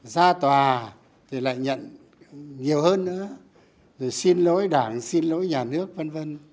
ra tòa thì lại nhận nhiều hơn nữa rồi xin lỗi đảng xin lỗi nhà nước vân vân